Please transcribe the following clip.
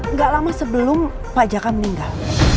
nggak lama sebelum pak jaka meninggal